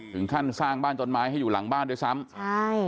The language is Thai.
ถึงขั้นสร้างบ้านต้นไม้ให้อยู่หลังบ้านด้วยซ้ำใช่